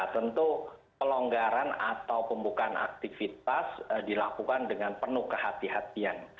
tentu pelonggaran atau pembukaan aktivitas dilakukan dengan penuh kehatian